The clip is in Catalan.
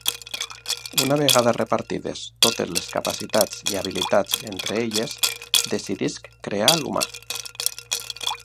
Una vegada repartides totes les capacitats i habilitats entre elles, decidisc crear l'humà.